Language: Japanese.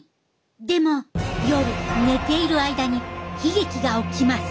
でも夜寝ている間に悲劇が起きます。